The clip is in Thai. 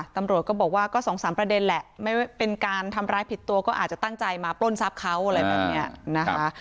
ตำรวจก็บอกว่าก็สองสามประเด็นแหละไม่เป็นการทำร้ายผิดตัวก็อาจจะตั้งใจมาปล้นทรัพย์เขาอะไรแบบนี้นะคะ